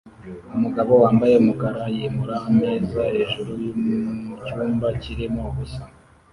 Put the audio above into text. Umugabo wambaye umukara yimura ameza hejuru mucyumba kirimo ubusa